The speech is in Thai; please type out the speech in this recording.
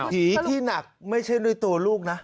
ผีที่หนักไม่ใช่ในตัวลูกนะ